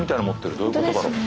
どういうことだろう？